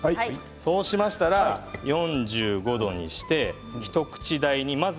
そうしたら４５度にして一口大にいます。